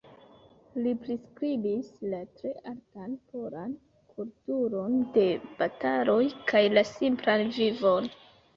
Li priskribis la tre altan polan kulturon de bataloj kaj la simplan vivon.